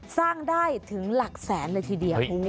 สร้างได้ถึงหลักแสนเลยทีเดียว